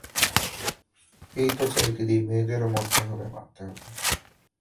এই তো চাই দিদি, মেয়েদেরও মরতে হবে, মারতে হবে।